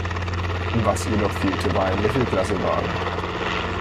Was jedoch fehlte, war ein Mittelklasse-Wagen.